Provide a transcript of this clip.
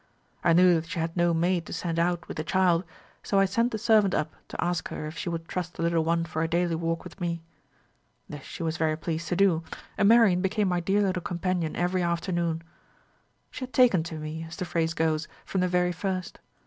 I knew that she had no maid to send out with the child, so I sent the servant up to ask her if she would trust the little one for a daily walk with me. This she was very pleased to do, and Marian became my dear little companion every afternoon. She had taken to me, as the phrase goes, from the very first.